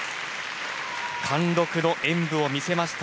貫禄の演武を見せました。